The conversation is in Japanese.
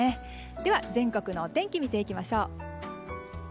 では、全国のお天気を見ていきましょう。